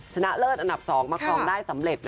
ชนะเลิศอันดับ๒มาครองได้สำเร็จ